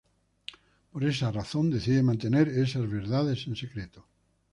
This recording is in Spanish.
Por esa razón, decide mantener esas verdades en secreto.